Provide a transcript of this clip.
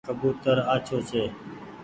ڪبوتر آڇو ڇي۔